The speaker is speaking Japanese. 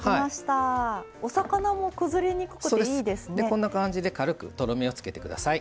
こんな感じで軽くとろみをつけてください。